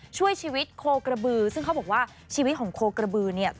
ช่วยชีวิตโคกระบือซึ่งเขาบอกว่าชีวิตของโคกระบือเนี่ย